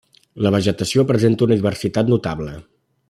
La vegetació presenta una diversitat notable.